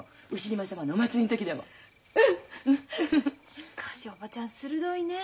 しかし叔母ちゃん鋭いね。